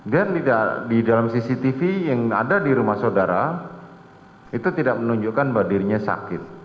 dan di dalam cctv yang ada di rumah sodara itu tidak menunjukkan badirnya sakit